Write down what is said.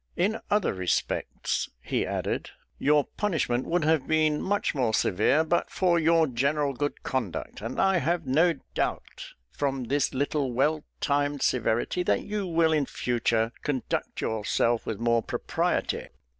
"In other respects," he added, "your punishment would have been much more severe but for your general good conduct; and I have no doubt, from this little well timed severity, that you will in future conduct yourself with more propriety.